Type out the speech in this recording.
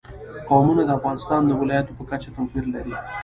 قومونه د افغانستان د ولایاتو په کچه توپیر لري.